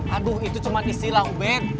aduh itu cuma istilah ubed